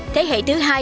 thế hệ thứ hai